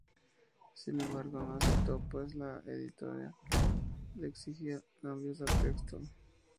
Sin embargo, no aceptó pues la editorial le exigía cambios al texto.